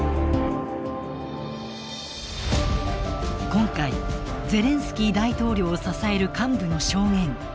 今回ゼレンスキー大統領を支える幹部の証言